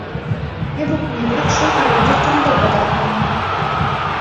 Эпӗ кунӗпех шыв хӗрринче чӑмпӑлтататтӑм.